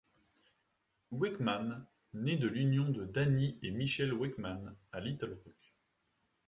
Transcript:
Uekman naît de l'union de Danny et Michelle Uekman à Little Rock.